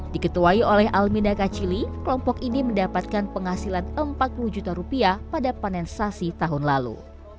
diketuai oleh alminda kacili kelompok ini mendapatkan penghasilan empat puluh juta rupiah pada panen sasi tahun lalu